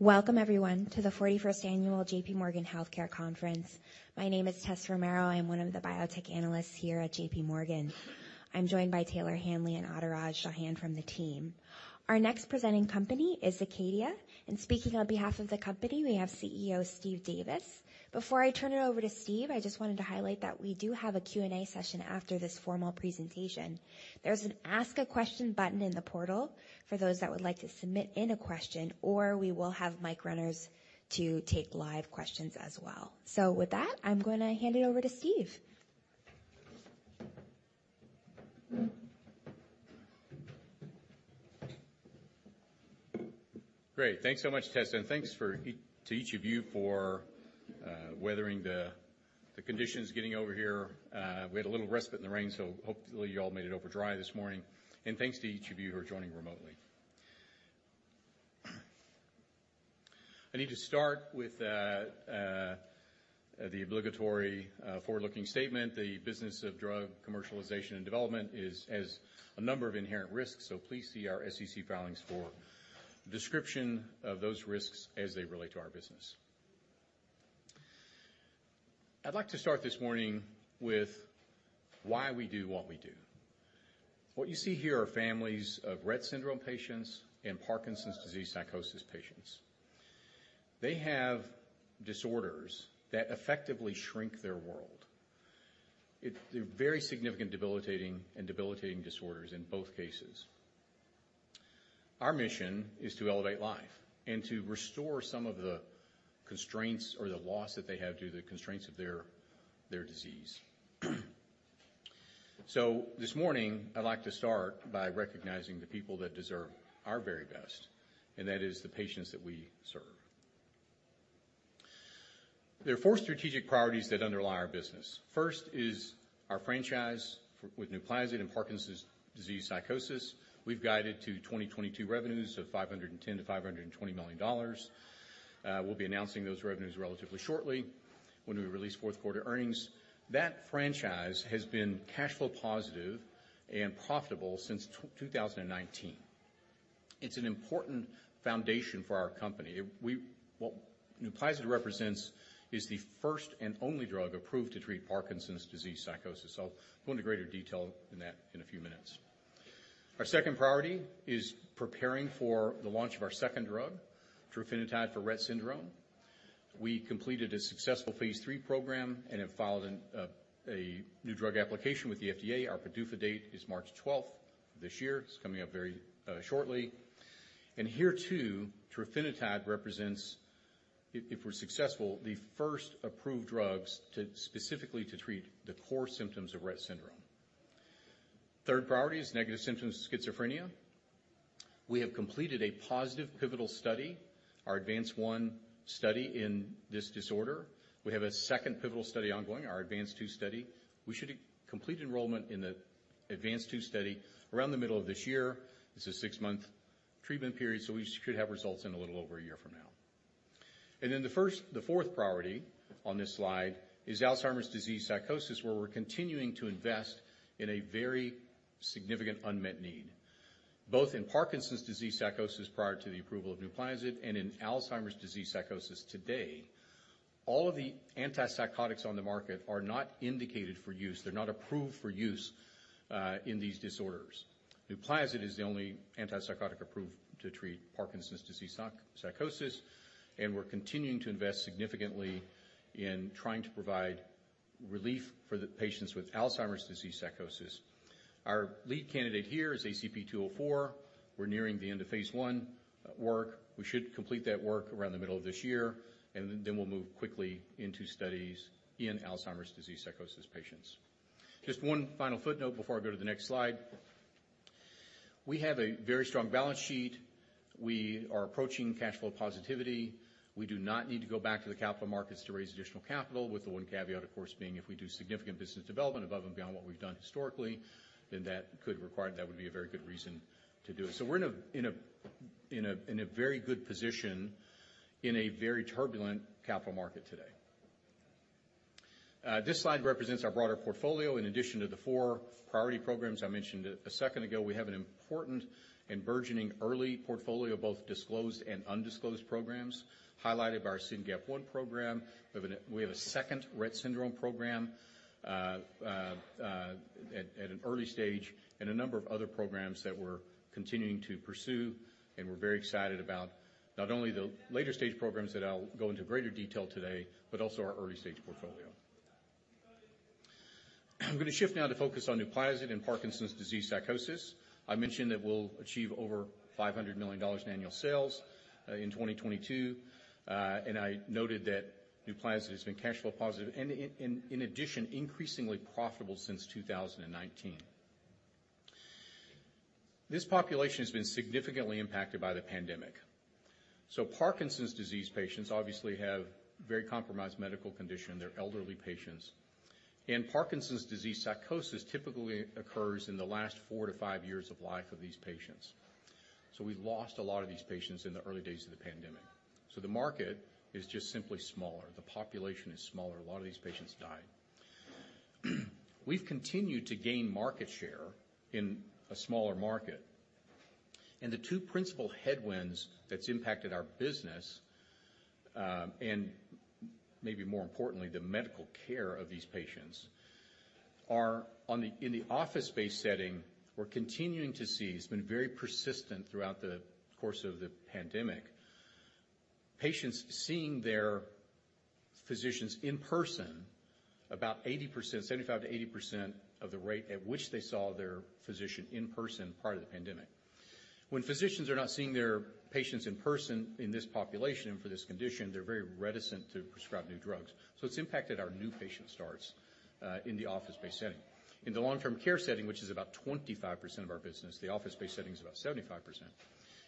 Welcome everyone to The 41st Annual JPMorgan Healthcare Conference. My name is Tessa Romero. I'm one of the Biotech Analysts here at JPMorgan. I'm joined by Taylor Hanley and Adhiraj Chauhan from the team. Our next presenting company is Acadia, and speaking on behalf of the company, we have CEO Steve Davis. Before I turn it over to Steve, I just wanted to highlight that we do have a Q&A session after this formal presentation. There's an Ask a Question button in the portal for those that would like to submit in a question, or we will have mic runners to take live questions as well. With that, I'm gonna hand it over to Steve. Great. Thanks so much, Tessa, and thanks to each of you for weathering the conditions getting over here. We had a little respite in the rain, hopefully you all made it over dry this morning. Thanks to each of you who are joining remotely. I need to start with the obligatory forward-looking statement. The business of drug commercialization and development has a number of inherent risks. Please see our SEC filings for a description of those risks as they relate to our business. I'd like to start this morning with why we do what we do. What you see here are families of Rett syndrome patients and Parkinson’s Disease Psychosis patients. They're very significant and debilitating disorders in both cases. Our mission is to elevate life and to restore some of the constraints or the loss that they have due to the constraints of their disease. This morning, I'd like to start by recognizing the people that deserve our very best, and that is the patients that we serve. There are four strategic priorities that underlie our business. First is our franchise with NUPLAZID and Parkinson’s Disease Psychosis. We've guided to 2022 revenues of $510 million-$520 million. We'll be announcing those revenues relatively shortly when we release fourth quarter earnings. That franchise has been cash flow positive and profitable since 2019. It's an important foundation for our company. What NUPLAZID represents is the first and only drug approved to treat Parkinson’s Disease Psychosis. I'll go into greater detail in that in a few minutes. Our second priority is preparing for the launch of our second drug, trofinetide for Rett syndrome. We completed a successful phase III program and have filed a new drug application with the FDA. Our PDUFA date is March 12th this year. It's coming up very shortly. Here too, trofinetide represents, if we're successful, the first approved drugs to specifically to treat the core symptoms of Rett syndrome. Third priority is negative symptoms of schizophrenia. We have completed a positive pivotal study, our ADVANCE-1 study in this disorder. We have a second pivotal study ongoing, our ADVANCE-2 study. We should complete enrollment in the ADVANCE-2 study around the middle of this year. It's a six-month treatment period, we should have results in a little over a year from now. The fourth priority on this slide is Alzheimer’s Disease Psychosis, where we're continuing to invest in a very significant unmet need. Both in Parkinson’s Disease Psychosis prior to the approval of NUPLAZID and in Alzheimer’s Disease Psychosis today, all of the antipsychotics on the market are not indicated for use. They're not approved for use in these disorders. NUPLAZID is the only antipsychotic approved to treat Parkinson’s Disease Psychosis, and we're continuing to invest significantly in trying to provide relief for the patients with Alzheimer’s Disease Psychosis. Our lead candidate here is ACP-204. We're nearing the end of phase I work. We should complete that work around the middle of this year, and then we'll move quickly into studies in Alzheimer’s Disease Psychosis patients. Just one final footnote before I go to the next slide. We have a very strong balance sheet. We are approaching cash flow positivity. We do not need to go back to the capital markets to raise additional capital with the one caveat, of course, being if we do significant business development above and beyond what we've done historically, then that would be a very good reason to do it. We're in a very good position in a very turbulent capital market today. This slide represents our broader portfolio in addition to the four priority programs I mentioned a second ago. We have an important and burgeoning early portfolio, both disclosed and undisclosed programs, highlighted by our SYNGAP1 program. We have a second Rett syndrome program, at an early stage and a number of other programs that we're continuing to pursue, and we're very excited about not only the later stage programs that I'll go into greater detail today, but also our early stage portfolio. I'm gonna shift now to focus on NUPLAZID and Parkinson’s Disease Psychosis. I mentioned that we'll achieve over $500 million in annual sales in 2022. I noted that NUPLAZID has been cash flow positive in addition, increasingly profitable since 2019. This population has been significantly impacted by the pandemic. Parkinson's disease patients obviously have very compromised medical condition. They're elderly patients. Parkinson’s Disease Psychosis typically occurs in the last four to five years of life of these patients. We've lost a lot of these patients in the early days of the pandemic. The market is just simply smaller. The population is smaller. A lot of these patients died. We've continued to gain market share in a smaller market. The two principal headwinds that's impacted our business, and maybe more importantly, the medical care of these patients are in the office-based setting, we're continuing to see, it's been very persistent throughout the course of the pandemic, patients seeing their physicians in person about 80%-- 75%-80% of the rate at which they saw their physician in person prior to the pandemic. When physicians are not seeing their patients in person in this population and for this condition, they're very reticent to prescribe new drugs. It's impacted our new patient starts in the office-based setting. In the long-term care setting, which is about 25% of our business, the office-based setting is about 75%.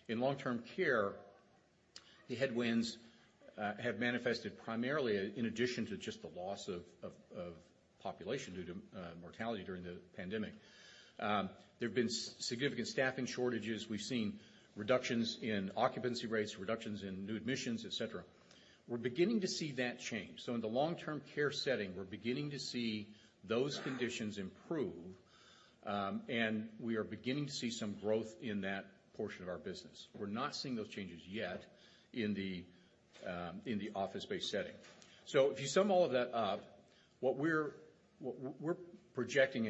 In long-term care, the headwinds have manifested primarily in addition to just the loss of population due to mortality during the pandemic. There have been significant staffing shortages. We've seen reductions in occupancy rates, reductions in new admissions, et cetera. We're beginning to see that change. In the long-term care setting, we're beginning to see those conditions improve, and we are beginning to see some growth in that portion of our business. We're not seeing those changes yet in the office-based setting. If you sum all of that up, what we're projecting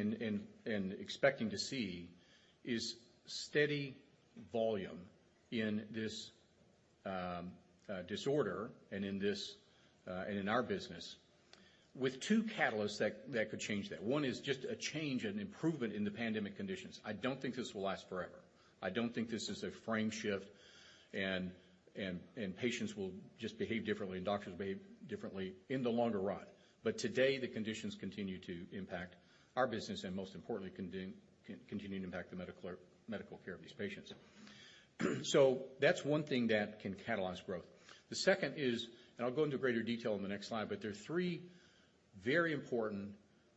and expecting to see is steady volume in this disorder and in this and in our business with two catalysts that could change that. One is just a change and improvement in the pandemic conditions. I don't think this will last forever. I don't think this is a frame shift and patients will just behave differently and doctors behave differently in the longer run. Today, the conditions continue to impact our business and most importantly, continue to impact the medical care of these patients. That's one thing that can catalyze growth. The second is, and I'll go into greater detail in the next slide, but there are three very important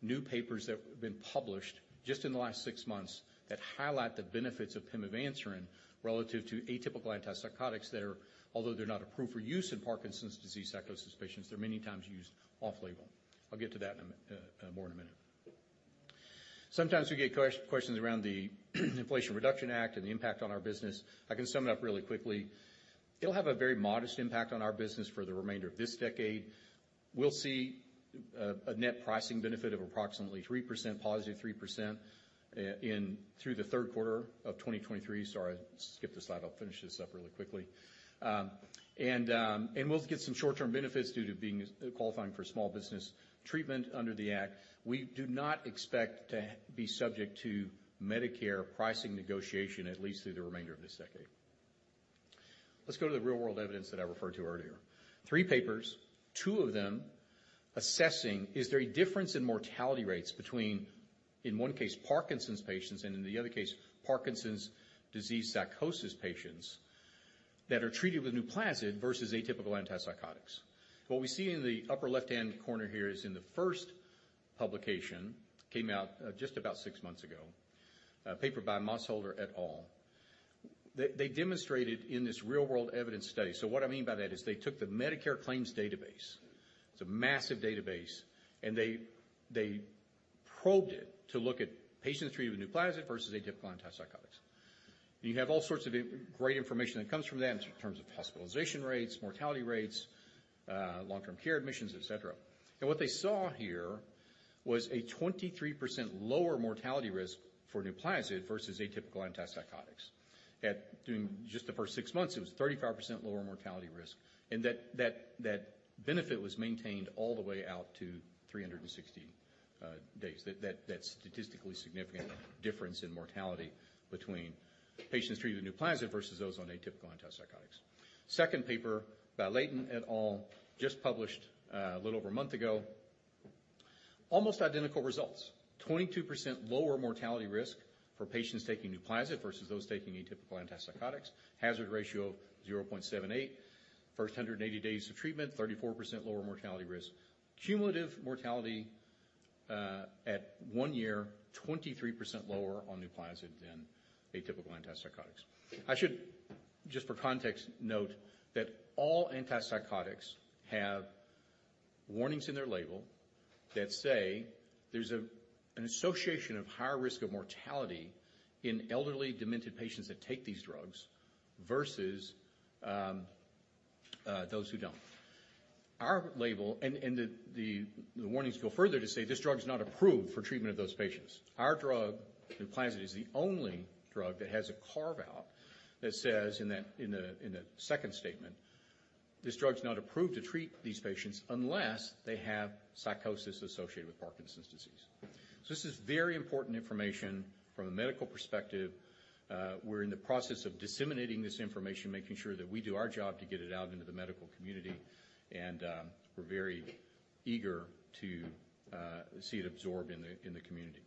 new papers that have been published just in the last six months that highlight the benefits of pimavanserin relative to atypical antipsychotics that are, although they're not approved for use in Parkinson’s Disease Psychosis patients, they're many times used off-label. I'll get to that more in a minute. Sometimes we get questions around the Inflation Reduction Act and the impact on our business. I can sum it up really quickly. It'll have a very modest impact on our business for the remainder of this decade. We'll see a net pricing benefit of approximately 3%, +3% in through the third quarter of 2023. Sorry, skip this slide. I'll finish this up really quickly. We'll get some short-term benefits due to being qualifying for small business treatment under the act. We do not expect to be subject to Medicare pricing negotiation at least through the remainder of this decade. Let's go to the real-world evidence that I referred to earlier. Three papers, two of them assessing is there a difference in mortality rates between, in one case, Parkinson's patients and in the other case, Parkinson’s Disease Psychosis patients that are treated with NUPLAZID vs atypical antipsychotics. What we see in the upper left-hand corner here is in the first publication came out just about six months ago, a paper by Mosholder et al. They demonstrated in this real-world evidence study. What I mean by that is they took the Medicare claims database. It's a massive database, and they probed it to look at patients treated with NUPLAZID vs atypical antipsychotics. You have all sorts of great information that comes from that in terms of hospitalization rates, mortality rates, long-term care admissions, et cetera. What they saw here was a 23% lower mortality risk for NUPLAZID vs atypical antipsychotics. At doing just the first six months, it was 35% lower mortality risk. That benefit was maintained all the way out to 360 days. That statistically significant difference in mortality between patients treated with NUPLAZID vs those on atypical antipsychotics. Second paper by Layton et al, just published a little over a month ago. Almost identical results. 22% lower mortality risk for patients taking NUPLAZID vs those taking atypical antipsychotics. Hazard ratio of 0.78. First 180 days of treatment, 34% lower mortality risk. Cumulative mortality at one year, 23% lower on NUPLAZID than atypical antipsychotics. I should, just for context, note that all antipsychotics have warnings in their label that say there's an association of higher risk of mortality in elderly demented patients that take these drugs vs those who don't. Our label and the warnings go further to say this drug is not approved for treatment of those patients. Our drug, NUPLAZID, is the only drug that has a carve-out that says in the second statement, "This drug's not approved to treat these patients unless they have psychosis associated with Parkinson's disease." This is very important information from a medical perspective. We're in the process of disseminating this information, making sure that we do our job to get it out into the medical community, and we're very eager to see it absorbed in the community.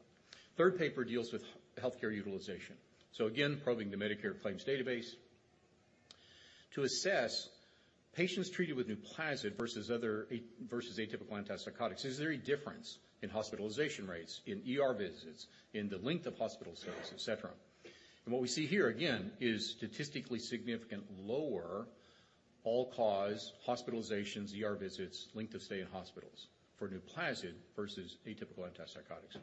Third paper deals with healthcare utilization. Again, probing the Medicare claims database to assess patients treated with NUPLAZID vs atypical antipsychotics. Is there a difference in hospitalization rates, in ER visits, in the length of hospital stays, et cetera? What we see here, again, is statistically significant lower All-cause hospitalizations, ER visits, length of stay in hospitals for NUPLAZID vs atypical antipsychotics.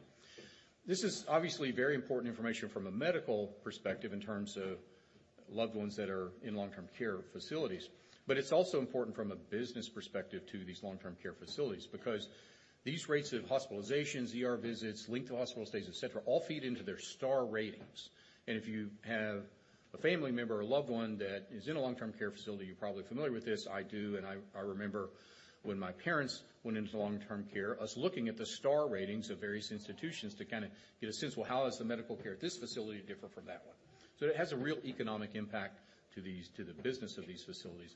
This is obviously very important information from a medical perspective in terms of loved ones that are in long-term care facilities. It's also important from a business perspective to these long-term care facilities because these rates of hospitalizations, ER visits, length of hospital stays, et cetera, all feed into their star ratings. If you have a family member or loved one that is in a long-term care facility, you're probably familiar with this. I do, and I remember when my parents went into long-term care, us looking at the star ratings of various institutions to kinda get a sense, "Well, how is the medical care at this facility different from that one?" It has a real economic impact to the business of these facilities.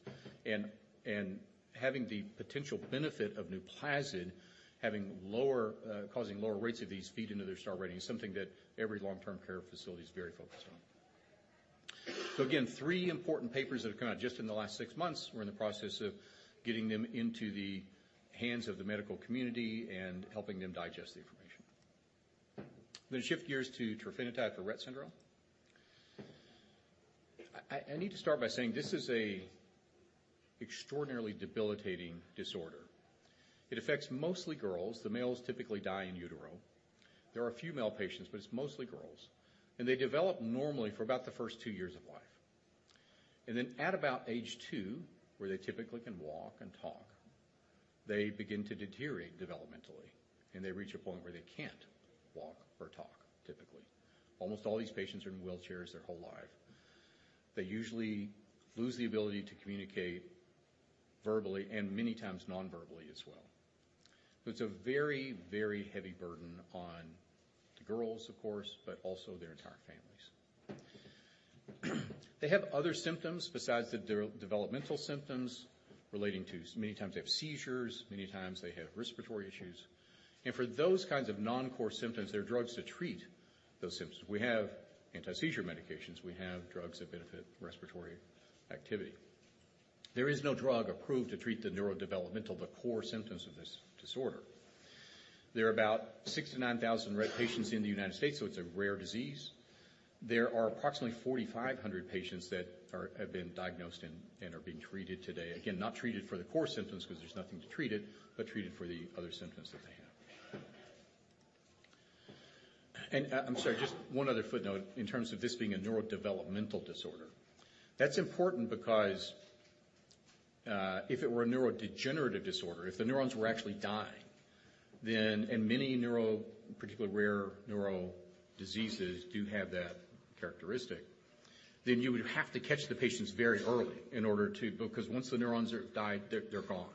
Having the potential benefit of NUPLAZID, having lower causing lower rates of these feed into their star rating is something that every long-term care facility is very focused on. Again, three important papers that have come out just in the last six months. We're in the process of getting them into the hands of the medical community and helping them digest the information. I'm gonna shift gears to trofinetide for Rett syndrome. I need to start by saying this is a extraordinarily debilitating disorder. It affects mostly girls. The males typically die in utero. There are a few male patients, but it's mostly girls. They develop normally for about the first two years of life. Then at about age two, where they typically can walk and talk, they begin to deteriorate developmentally, and they reach a point where they can't walk or talk, typically. Almost all these patients are in wheelchairs their whole life. They usually lose the ability to communicate verbally and many times non-verbally as well. It's a very, very heavy burden on the girls, of course, but also their entire families. They have other symptoms besides the developmental symptoms relating to many times they have seizures, many times they have respiratory issues. For those kinds of non-core symptoms, there are drugs to treat those symptoms. We have anti-seizure medications. We have drugs that benefit respiratory activity. There is no drug approved to treat the neurodevelopmental, the core symptoms of this disorder. There are about 69,000 Rett patients in the United States, so it's a rare disease. There are approximately 4,500 patients that have been diagnosed and are being treated today. Again, not treated for the core symptoms 'cause there's nothing to treat it, but treated for the other symptoms that they have. I'm sorry, just one other footnote in terms of this being a neurodevelopmental disorder. That's important because if it were a neurodegenerative disorder, if the neurons were actually dying, then and many neuro, particularly rare neuro diseases do have that characteristic, then you would have to catch the patients very early in order to... Once the neurons are died, they're gone.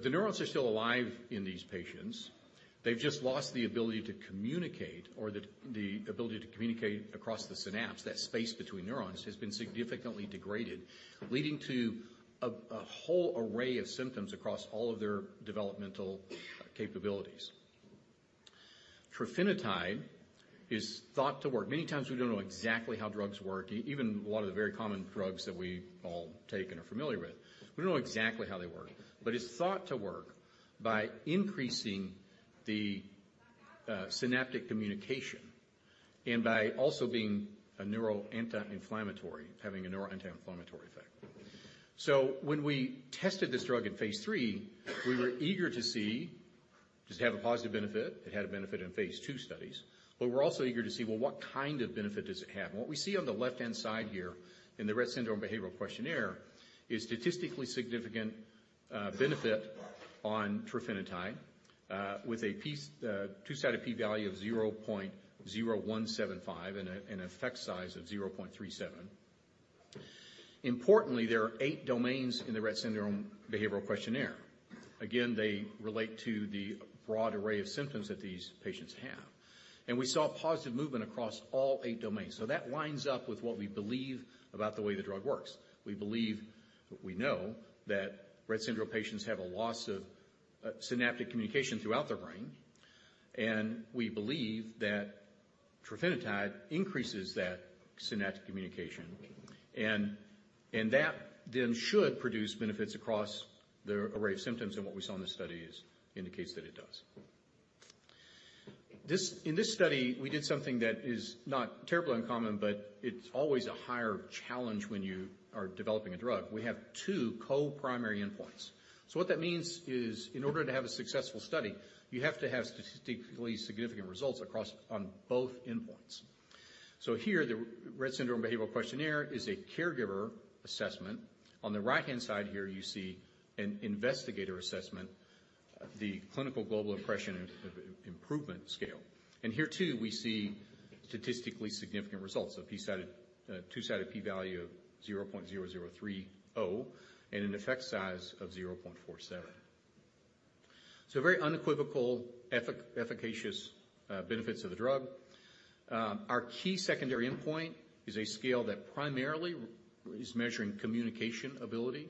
The neurons are still alive in these patients. They've just lost the ability to communicate or the ability to communicate across the synapse. That space between neurons has been significantly degraded, leading to a whole array of symptoms across all of their developmental capabilities. Trofinetide is thought to work. Many times we don't know exactly how drugs work. Even a lot of the very common drugs that we all take and are familiar with, we don't know exactly how they work. It's thought to work by increasing the synaptic communication and by also being a neural anti-inflammatory, having a neural anti-inflammatory effect. When we tested this drug in phase III, we were eager to see, does it have a positive benefit? It had a benefit in phase II studies. We're also eager to see, well, what kind of benefit does it have? What we see on the left-hand side here in the Rett Syndrome Behavioral Questionnaire is statistically significant benefit on trofinetide with a two-sided p-value of 0.0175 and an effect size of 0.37. Importantly, there are eight domains in the Rett Syndrome Behavioral Questionnaire. Again, they relate to the broad array of symptoms that these patients have. We saw positive movement across all eight domains. That lines up with what we believe about the way the drug works. We believe, we know that Rett syndrome patients have a loss of synaptic communication throughout their brain. And we believe that trofinetide increases that synaptic communication and that then should produce benefits across the array of symptoms, and what we saw in this study is indicates that it does. In this study, we did something that is not terribly uncommon, but it's always a higher challenge when you are developing a drug. We have 2 co-primary endpoints. What that means is in order to have a successful study, you have to have statistically significant results across on both endpoints. Here the R-Rett Syndrome Behaviour Questionnaire is a caregiver assessment. On the right-hand side here, you see an investigator assessment, the Clinical Global Impression of Improvement Scale. Here, too, we see statistically significant results, two-sided p-value of 0.0030 and an effect size of 0.47. Very unequivocal efficacious benefits of the drug. Our key secondary endpoint is a scale that primarily is measuring communication ability,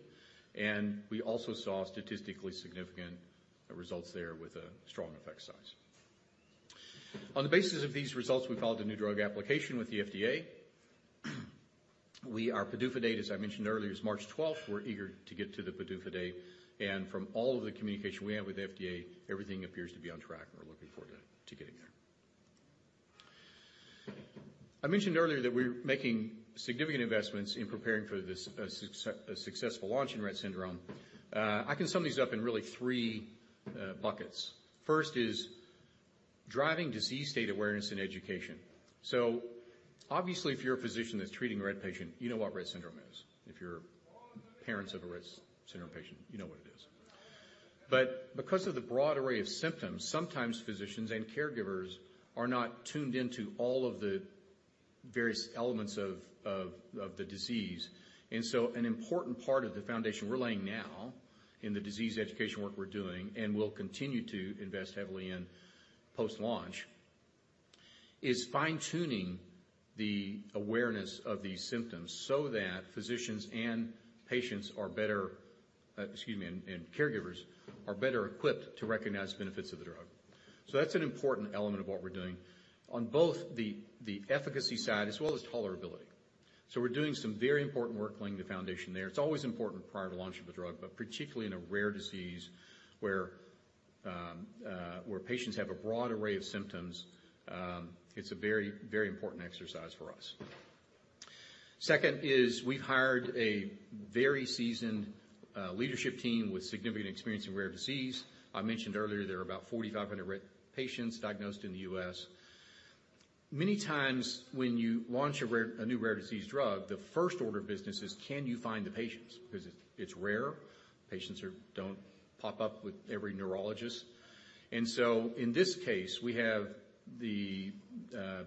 and we also saw statistically significant results there with a strong effect size. On the basis of these results, we filed a new drug application with the FDA. Our PDUFA date, as I mentioned earlier, is March 12. We're eager to get to the PDUFA date. From all of the communication we have with FDA, everything appears to be on track, and we're looking forward to getting there. I mentioned earlier that we're making significant investments in preparing for this successful launch in Rett syndrome. I can sum these up in really three buckets. First is driving disease state awareness and education. Obviously, if you're a physician that's treating a Rett patient, you know what Rett syndrome is. If you're parents of a Rett syndrome patient, you know what it is. Because of the broad array of symptoms, sometimes physicians and caregivers are not tuned into all of the various elements of the disease. An important part of the foundation we're laying now in the disease education work we're doing, and will continue to invest heavily in post-launch, is fine-tuning the awareness of these symptoms so that physicians and patients are better, excuse me, and caregivers are better equipped to recognize benefits of the drug. That's an important element of what we're doing on both the efficacy side as well as tolerability. We're doing some very important work laying the foundation there. It's always important prior to launch of a drug, but particularly in a rare disease where patients have a broad array of symptoms, it's a very, very important exercise for us. Second is we've hired a very seasoned leadership team with significant experience in rare disease. I mentioned earlier, there are about 4,500 Rett patients diagnosed in the U.S. Many times, when you launch a new rare disease drug, the first order of business is can you find the patients? 'Cause it's rare. Patients don't pop up with every neurologist. In this case, we have the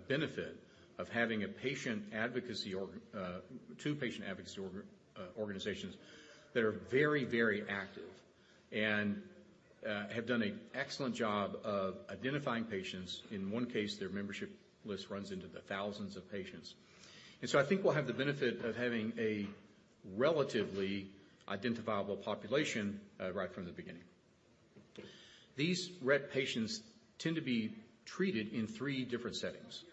benefit of having a patient advocacy org, two patient advocacy organizations that are very, very active and have done a excellent job of identifying patients. In one case, their membership list runs into the 1,000s of patients. I think we'll have the benefit of having a relatively identifiable population right from the beginning. These Rett patients tend to be treated in three different settings.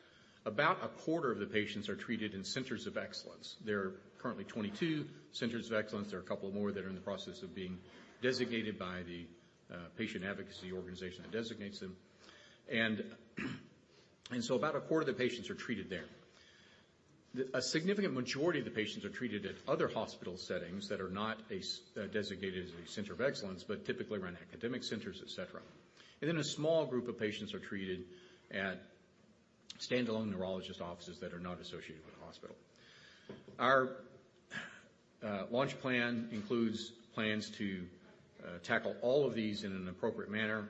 About a quarter of the patients are treated in centers of excellence. There are currently 22 centers of excellence. There are a couple more that are in the process of being designated by the patient advocacy organization that designates them. About a quarter of the patients are treated there. A significant majority of the patients are treated at other hospital settings that are not designated as a center of excellence, but typically run academic centers, et cetera. A small group of patients are treated at standalone neurologist offices that are not associated with a hospital. Our launch plan includes plans to tackle all of these in an appropriate manner.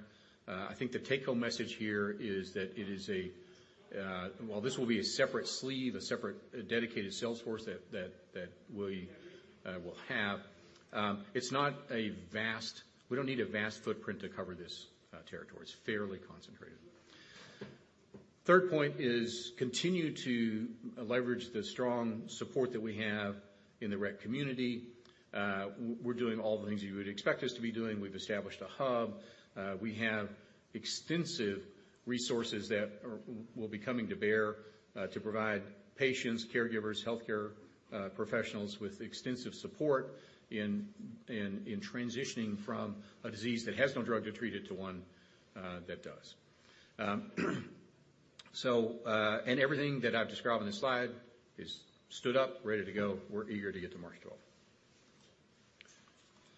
I think the take-home message here is that while this will be a separate sleeve, a separate dedicated sales force that we will have, We don't need a vast footprint to cover this territory. It's fairly concentrated. Third point is continue to leverage the strong support that we have in the Rett community. We're doing all the things you would expect us to be doing. We've established a hub. We have extensive resources that are will be coming to bear to provide patients, caregivers, healthcare professionals with extensive support in transitioning from a disease that has no drug to treat it to one that does. Everything that I've described on this slide is stood up, ready to go. We're eager to get to March 12th.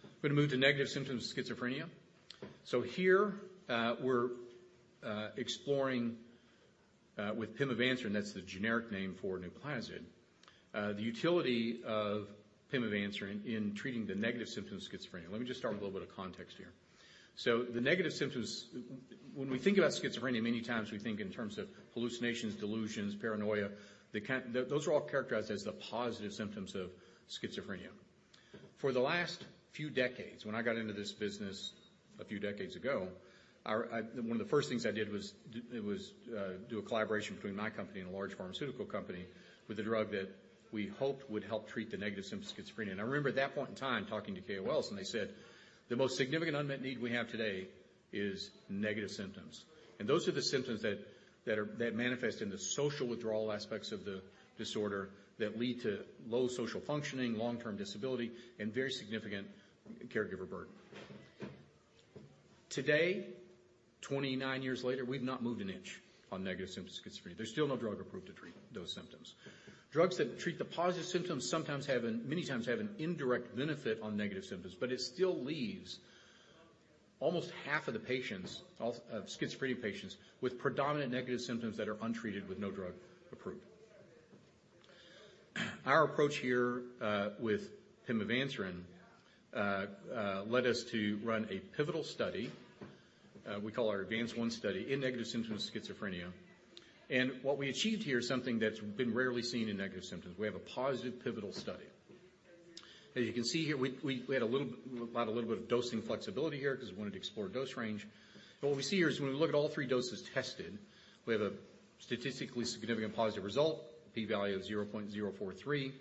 I'm gonna move to negative symptoms of schizophrenia. Here, we're exploring with pimavanserin, that's the generic name for NUPLAZID. The utility of pimavanserin in treating the negative symptoms of schizophrenia. Let me just start with a little bit of context here. The negative symptoms, when we think about schizophrenia, many times we think in terms of hallucinations, delusions, paranoia. Those are all characterized as the positive symptoms of schizophrenia. For the last few decades, when I got into this business a few decades ago, our... One of the first things I did was do a collaboration between my company and a large pharmaceutical company with a drug that we hoped would help treat the negative symptoms of schizophrenia. I remember at that point in time talking to KOLs, and they said, "The most significant unmet need we have today is negative symptoms." Those are the symptoms that are, that manifest into social withdrawal aspects of the disorder that lead to low social functioning, long-term disability, and very significant caregiver burden. Today, 29 years later, we've not moved an inch on negative symptoms of schizophrenia. There's still no drug approved to treat those symptoms. Drugs that treat the positive symptoms sometimes many times have an indirect benefit on negative symptoms, but it still leaves almost half of the patients of schizophrenia patients, with predominant negative symptoms that are untreated with no drug approved. Our approach here with pimavanserin led us to run a pivotal study, we call our ADVANCE-1 study, in negative symptoms of schizophrenia. What we achieved here is something that's been rarely seen in negative symptoms. We have a positive pivotal study. As you can see here, we had about a little bit of dosing flexibility here 'cause we wanted to explore dose range. What we see here is when we look at all three doses tested, we have a statistically significant positive result, p-value of 0.043.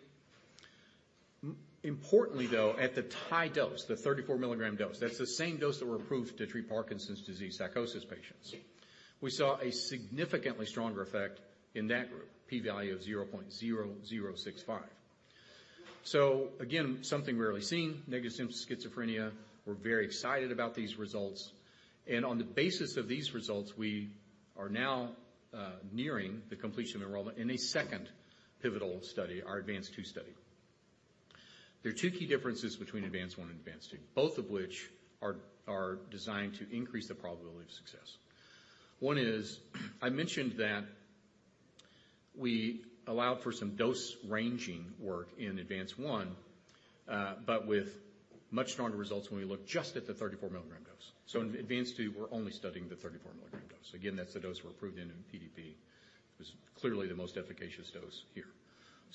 Importantly, though, at the tie dose, the 34 mg dose, that's the same dose that we're approved to treat Parkinson’s Disease Psychosis patients. We saw a significantly stronger effect in that group, p-value of 0.0065. Again, something rarely seen, negative symptoms of schizophrenia. We're very excited about these results. On the basis of these results, we are now nearing the completion of enrollment in a second pivotal study, our ADVANCE-2 study. There are two key differences between ADVANCE-1 and ADVANCE-2, both of which are designed to increase the probability of success. One is I mentioned that we allowed for some dose-ranging work in ADVANCE-1, but with much stronger results when we look just at the 34 mg dose. In ADVANCE-2, we're only studying the 34 mg dose. Again, that's the dose we're approved in PDP. It was clearly the most efficacious dose here.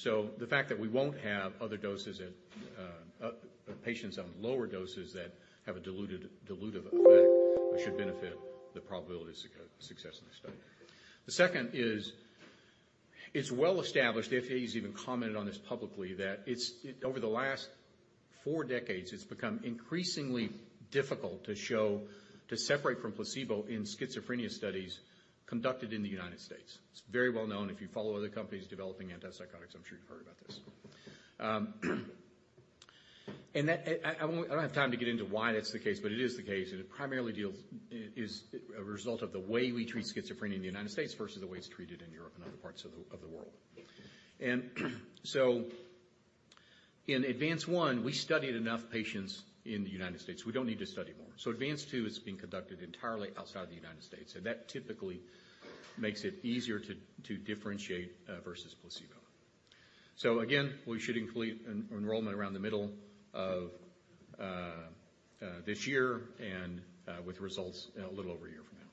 The fact that we won't have other doses at patients on lower doses that have a diluted, dilutive effect should benefit the probability of success in this study. The second is it's well established, FDA has even commented on this publicly that it's over the last four decades, it's become increasingly difficult to show to separate from placebo in schizophrenia studies conducted in the United States. It's very well known. If you follow other companies developing antipsychotics, I'm sure you've heard about this. I don't have time to get into why that's the case, but it is the case, and it primarily is a result of the way we treat schizophrenia in the United States vs the way it's treated in Europe and other parts of the world. In ADVANCE-1, we studied enough patients in the United States. We don't need to study more. ADVANCE-2 is being conducted entirely outside the United States, and that typically makes it easier to differentiate vs placebo. Again, we should include enrollment around the middle of this year and with results a little over a year from now.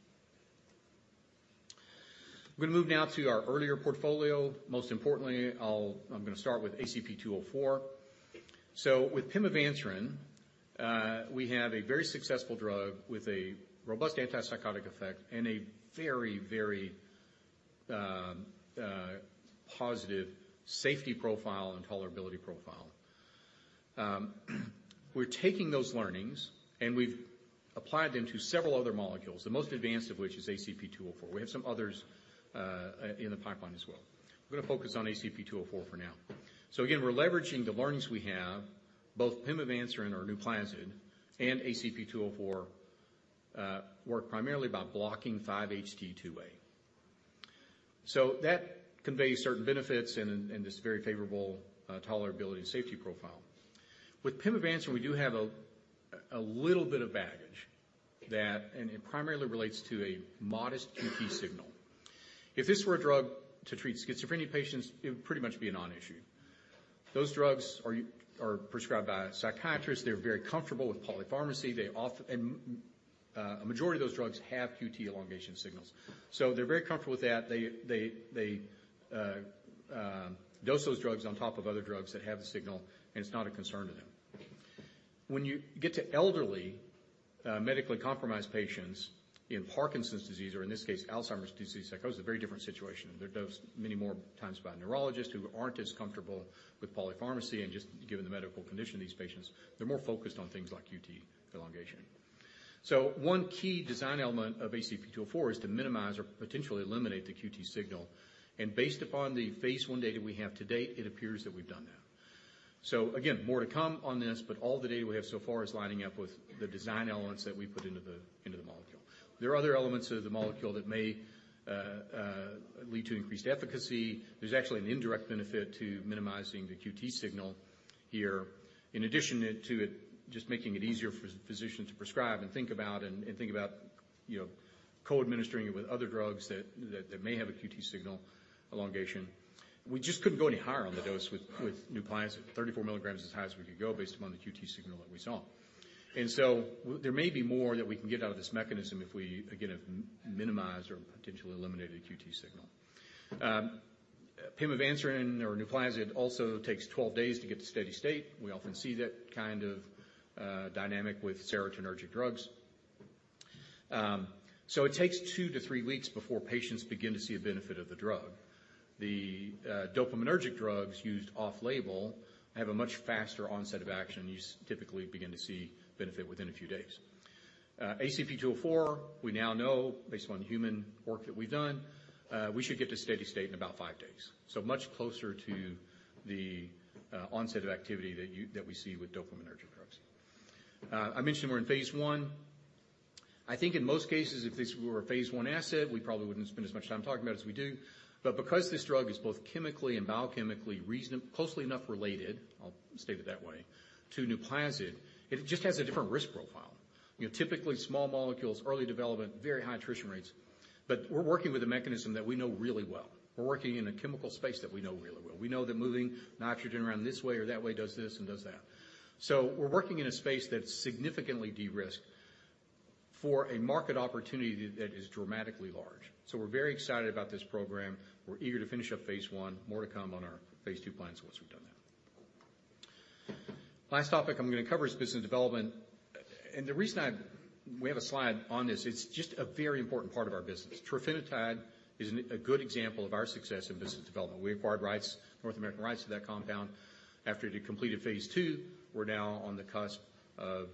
I'm gonna move now to our earlier portfolio. Most importantly, I'm gonna start with ACP-204. With pimavanserin, we have a very successful drug with a robust antipsychotic effect and a very positive safety profile and tolerability profile. We're taking those learnings, and we've applied them to several other molecules, the most advanced of which is ACP-204. We have some others in the pipeline as well. We're gonna focus on ACP-204 for now. Again, we're leveraging the learnings we have, both pimavanserin or NUPLAZID and ACP-204, work primarily by blocking 5-HT2A. That conveys certain benefits and this very favorable tolerability and safety profile. With pimavanserin, we do have a little bit of baggage, and it primarily relates to a modest QT signal. If this were a drug to treat schizophrenia patients, it would pretty much be a non-issue. Those drugs are prescribed by a psychiatrist. They're very comfortable with polypharmacy. A majority of those drugs have QT elongation signals. They're very comfortable with that. They dose those drugs on top of other drugs that have the signal, and it's not a concern to them. When you get to elderly, medically compromised patients in Parkinson's disease or in this case, Alzheimer’s Disease Psychosis, a very different situation. They're dosed many more times by neurologists who aren't as comfortable with polypharmacy and just given the medical condition of these patients, they're more focused on things like QT elongation. One key design element of ACP-204 is to minimize or potentially eliminate the QT signal. Based upon the phase I data we have to date, it appears that we've done that. Again, more to come on this, but all the data we have so far is lining up with the design elements that we put into the molecule. There are other elements of the molecule that may lead to increased efficacy. There's actually an indirect benefit to minimizing the QT signal here. In addition to it just making it easier for physicians to prescribe and think about and think about, you know, co-administering it with other drugs that may have a QT signal elongation. We just couldn't go any higher on the dose with NUPLAZID. 34 mg is as high as we could go based upon the QT signal that we saw. There may be more that we can get out of this mechanism if we again have minimized or potentially eliminated a QT signal. Pimavanserin or NUPLAZID also takes 12 days to get to steady state. We often see that kind of dynamic with serotonergic drugs. It takes two to three weeks before patients begin to see a benefit of the drug. The dopaminergic drugs used off-label have a much faster onset of action. You typically begin to see benefit within a few days. ACP-204, we now know based on human work that we've done, we should get to steady state in about five days. Much closer to the onset of activity that we see with dopaminergic drugs. I mentioned we're in phase I. I think in most cases, if this were a phase I asset, we probably wouldn't spend as much time talking about it as we do. Because this drug is both chemically and biochemically closely enough related, I'll state it that way, to NUPLAZID, it just has a different risk profile. You know, typically small molecules, early development, very high attrition rates. We're working with a mechanism that we know really well. We're working in a chemical space that we know really well. We know that moving nitrogen around this way or that way does this and does that. We're working in a space that's significantly de-risked for a market opportunity that is dramatically large. We're very excited about this program. We're eager to finish up phase I. More to come on our phase II plans once we've done that. Last topic I'm gonna cover is business development. The reason we have a slide on this, it's just a very important part of our business. Trofinetide is a good example of our success in business development. We acquired rights, North American rights to that compound. After it completed phase II, we're now on the cusp of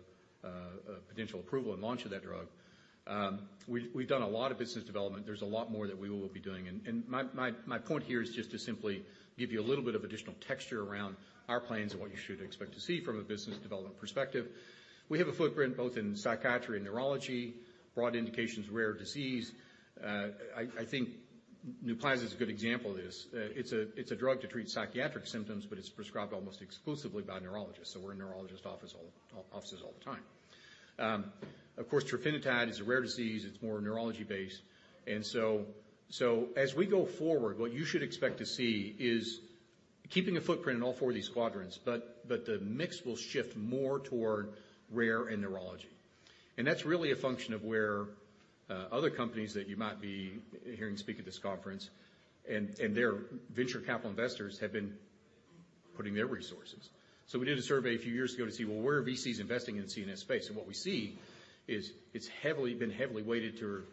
potential approval and launch of that drug. We've done a lot of business development. There's a lot more that we will be doing. My point here is just to simply give you a little bit of additional texture around our plans and what you should expect to see from a business development perspective. We have a footprint both in psychiatry and neurology, broad indications, rare disease. I think Nuplazid is a good example of this. It's a drug to treat psychiatric symptoms, but it's prescribed almost exclusively by neurologists. We're in neurologist offices all the time. Of course, trofinetide is a rare disease. It's more neurology-based. As we go forward, what you should expect to see is keeping a footprint in all four of these quadrants, but the mix will shift more toward rare and neurology. That's really a function of where other companies that you might be hearing speak at this conference and their venture capital investors have been putting their resources. We did a survey a few years ago to see, well, where are VCs investing in the CNS space? What we see is it's been heavily weighted to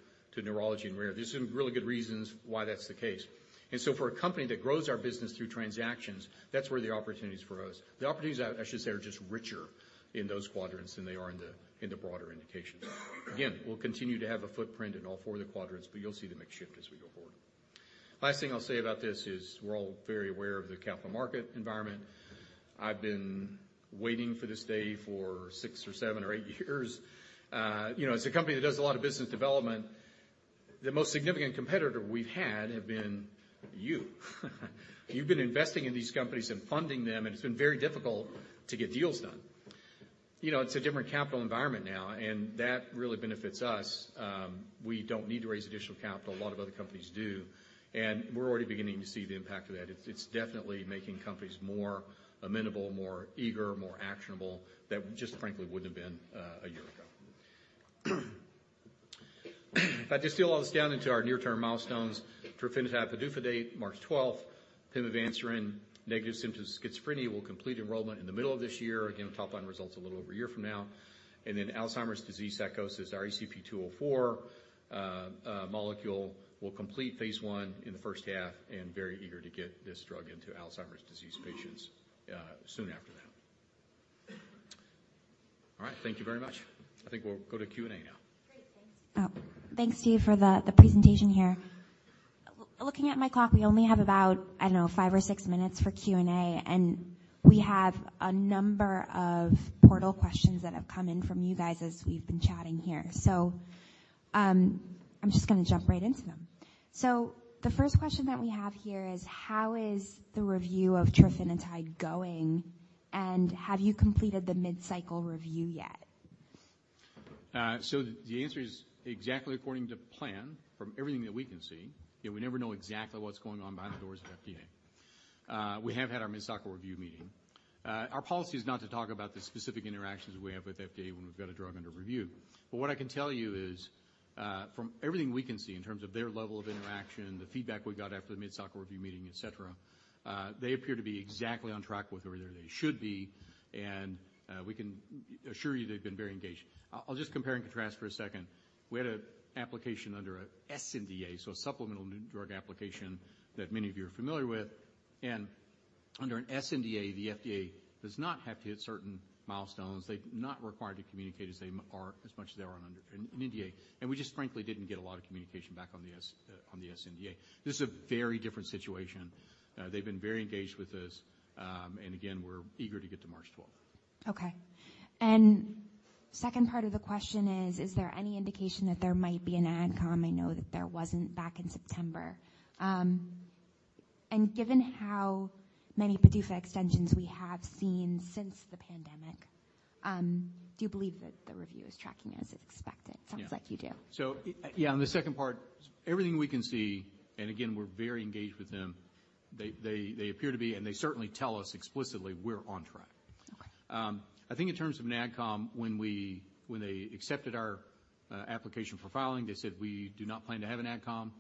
neurology and rare. There's some really good reasons why that's the case. For a company that grows our business through transactions, that's where the opportunity is for us. The opportunities, I should say, are just richer in those quadrants than they are in the, in the broader indications. We'll continue to have a footprint in all four of the quadrants, but you'll see the mix shift as we go forward. Last thing I'll say about this is we're all very aware of the capital market environment. I've been waiting for this day for six or seven or eight years. You know, as a company that does a lot of business development, the most significant competitor we've had have been you. You've been investing in these companies and funding them, and it's been very difficult to get deals done. You know, it's a different capital environment now, and that really benefits us. We don't need to raise additional capital. A lot of other companies do, and we're already beginning to see the impact of that. It's definitely making companies more amenable, more eager, more actionable, that just frankly wouldn't have been a year ago. If I distill all this down into our near-term milestones, trofinetide PDUFA date, March 12th. Pimavanserin, negative symptoms of schizophrenia, will complete enrollment in the middle of this year. Top line results a little over a year from now. Alzheimer’s Disease Psychosis, our ACP-204 molecule will complete phase I in the first half, and very eager to get this drug into Alzheimer's disease patients soon after that. All right. Thank you very much. I think we'll go to Q&A now. Great. Thanks. Oh, thanks, Steve, for the presentation here. Looking at my clock, we only have about, I don't know, five or six minutes for Q&A, and we have a number of portal questions that have come in from you guys as we've been chatting here. I'm just gonna jump right into them. The first question that we have here is: How is the review of trofinetide going, and have you completed the mid-cycle review yet? The answer is exactly according to plan from everything that we can see, yet we never know exactly what's going on behind the doors of FDA. We have had our mid-cycle review meeting. Our policy is not to talk about the specific interactions we have with FDA when we've got a drug under review. What I can tell you is, from everything we can see in terms of their level of interaction, the feedback we got after the mid-cycle review meeting, et cetera, they appear to be exactly on track with where they should be, and we can assure you they've been very engaged. I'll just compare and contrast for a second. We had an application under a sNDA, so a Supplemental New Drug Application that many of you are familiar with. Under an sNDA, the FDA does not have to hit certain milestones. They're not required to communicate as much as they are under an NDA, and we just frankly didn't get a lot of communication back on the sNDA. This is a very different situation. They've been very engaged with us. And again, we're eager to get to March 12th. Okay. Second part of the question is: Is there any indication that there might be an Advisory Committee? I know that there wasn't back in September. Given how many PDUFA extensions we have seen since the pandemic, do you believe that the review is tracking as expected? Yeah. Sounds like you do. Yeah, on the second part, everything we can see, and again, we're very engaged with them, they appear to be, and they certainly tell us explicitly, we're on track. Okay. I think in terms of an Advisory Committee, when they accepted our application for filing, they said, "We do not plan to have an Advisory Committee."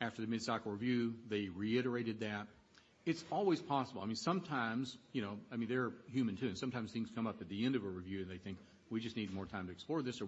After the mid-cycle review, they reiterated that. It's always possible. I mean, sometimes, you know, I mean, they're human too, and sometimes things come up at the end of a review and they think, "We just need more time to explore this," or,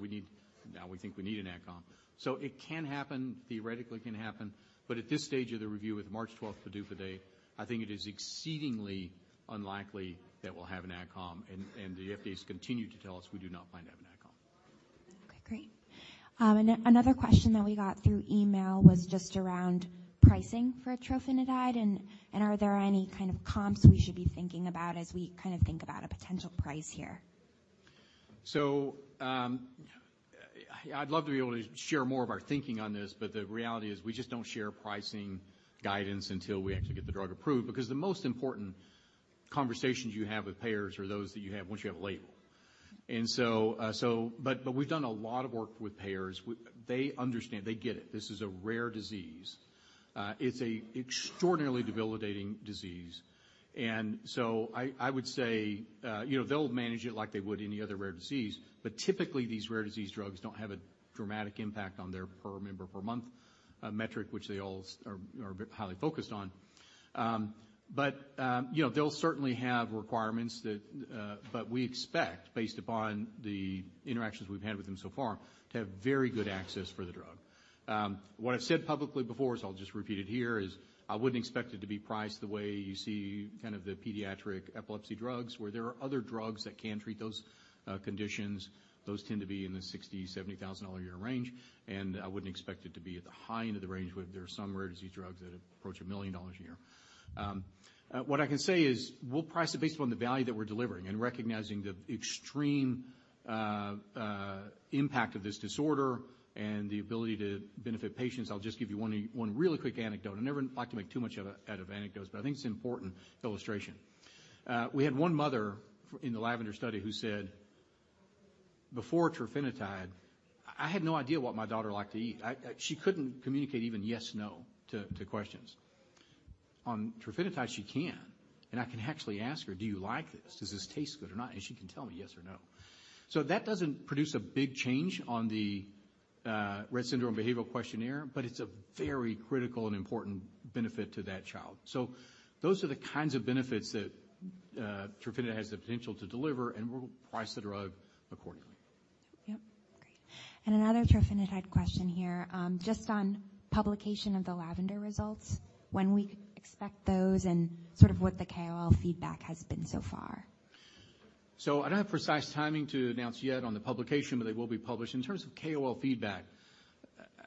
"Now we think we need an Advisory Committee." It can happen. Theoretically, it can happen. At this stage of the review, with March 12th PDUFA day, I think it is exceedingly unlikely that we'll have an Advisory Committee, and the FDA's continued to tell us we do not plan to have an Advisory Committee. Okay, great. Another question that we got through email was just around pricing for trofinetide and, are there any kind of comps we should be thinking about as we kind of think about a potential price here? I'd love to be able to share more of our thinking on this, but the reality is we just don't share pricing guidance until we actually get the drug approved, because the most important conversations you have with payers are those that you have once you have a label. We've done a lot of work with payers. They understand. They get it. This is a rare disease. It's a extraordinarily debilitating disease. I would say, you know, they'll manage it like they would any other rare disease, but typically these rare disease drugs don't have a dramatic impact on their per member per month metric, which they all are, you know, highly focused on. You know, they'll certainly have requirements that... We expect, based upon the interactions we've had with them so far, to have very good access for the drug. What I've said publicly before, I'll just repeat it here, is I wouldn't expect it to be priced the way you see kind of the pediatric epilepsy drugs, where there are other drugs that can treat those conditions. Those tend to be in the $60,000-$70,000 a year range, I wouldn't expect it to be at the high end of the range, where there are some rare disease drugs that approach $1 million a year. What I can say is we'll price it based upon the value that we're delivering and recognizing the extreme impact of this disorder and the ability to benefit patients. I'll just give you one really quick anecdote. I never like to make too much out of anecdotes. I think it's an important illustration. We had one mother in the LAVENDER study who said: Before trofinetide, I had no idea what my daughter liked to eat. She couldn't communicate even yes, no to questions. On trofinetide, she can. I can actually ask her, "Do you like this? Does this taste good or not?" She can tell me yes or no. That doesn't produce a big change on the Rett Syndrome Behavior Questionnaire. It's a very critical and important benefit to that child. Those are the kinds of benefits that trofinetide has the potential to deliver. We'll price the drug accordingly. Yep. Great. Another trofinetide question here. Just on publication of the LAVENDER results, when we could expect those and sort of what the KOL feedback has been so far? I don't have precise timing to announce yet on the publication, but they will be published. In terms of KOL feedback,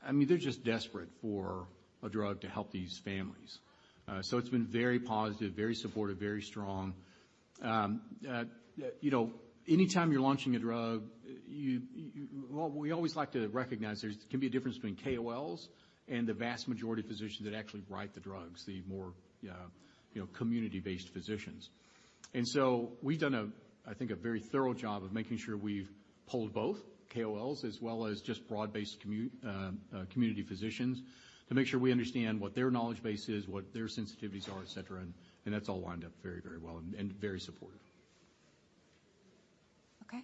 I mean, they're just desperate for a drug to help these families. It's been very positive, very supportive, very strong. You know, anytime you're launching a drug, what we always like to recognize, there's can be a difference between KOLs and the vast majority of physicians that actually write the drugs, the more, you know, community-based physicians. We've done a, I think, a very thorough job of making sure we've pulled both KOLs as well as just broad-based community physicians to make sure we understand what their knowledge base is, what their sensitivities are, et cetera. That's all lined up very, very well and very supportive. Okay.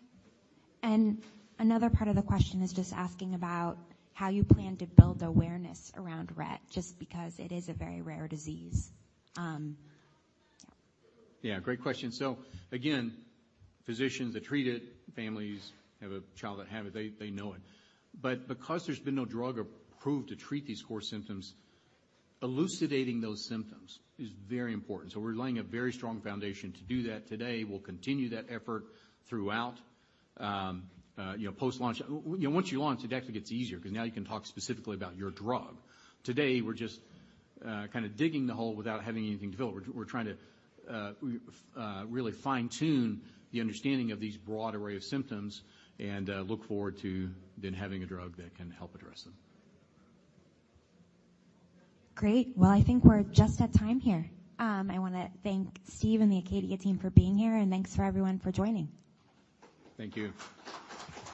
Another part of the question is just asking about how you plan to build awareness around Rett, just because it is a very rare disease. Yeah. Yeah, great question. Again, physicians that treat it, families have a child that have it, they know it. Because there's been no drug approved to treat these core symptoms, elucidating those symptoms is very important. We're laying a very strong foundation to do that today. We'll continue that effort throughout, you know, post-launch. You know, once you launch, it actually gets easier because now you can talk specifically about your drug. Today, we're just kind of digging the hole without having anything to fill. We're trying to really fine-tune the understanding of these broad array of symptoms and look forward to then having a drug that can help address them. Great. Well, I think we're just at time here. I wanna thank Steve and the Acadia team for being here, thanks for everyone for joining. Thank you.